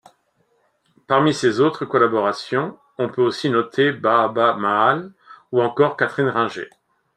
Parmi ses autres collaborations, on peut aussi noter Baaba Maal ou encore Catherine Ringer.